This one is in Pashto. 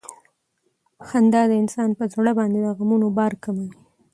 خندا د انسان پر زړه باندې د غمونو بار کموي.